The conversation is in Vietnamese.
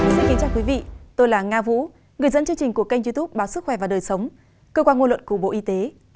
xin kính chào quý vị tôi là nga vũ người dẫn chương trình của kênh youtube báo sức khỏe và đời sống cơ quan ngôn luận của bộ y tế